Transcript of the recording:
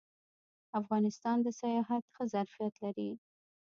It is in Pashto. افغانستان د سیاحت ښه ظرفیت لري